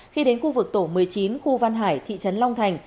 khi đến khu vực tổ một mươi chín khu văn hải thị trấn long thành